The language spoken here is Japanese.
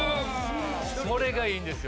それがいいんですよ。